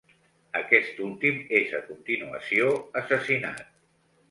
Aquest últim és a continuació assassinat.